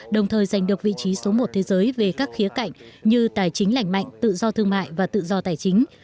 đồng thời giành được vị trí số một thế giới về các khía cạnh như tài chính lành mạnh tự do thương mại và tự do tài chính